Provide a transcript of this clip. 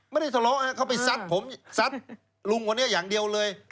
ไม่ได้ทะเลาะเขาไปซัดผมซัดลุงคนนี้อย่างเดียวเลย